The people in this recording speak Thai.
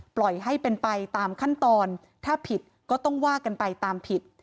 ปล่อยให้เป็นไปตามขั้นตอนถ้าผิดก็ต้องว่ากันไปตามผิด